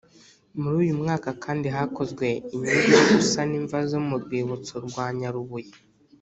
Muri uyu mwaka kandi hakozwe inyigo yo gusana imva zo mu rwibutso rwa Nyarubuye